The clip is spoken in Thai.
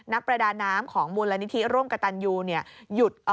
นักประดาน้ำของมูลนิธิร่วมกับตัญญู